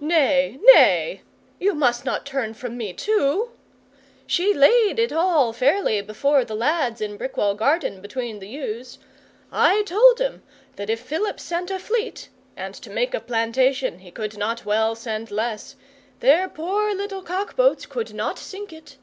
'Nay, nay. You must not turn from me too! She laid it all fairly before the lads in Brickwall garden between the yews. I told 'em that if Philip sent a fleet (and to make a plantation he could not well send less), their poor little cock boats could not sink it.